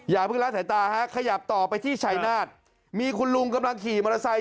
อย่าเพิ่งละสายตาฮะขยับต่อไปที่ชัยนาฏมีคุณลุงกำลังขี่มอเตอร์ไซค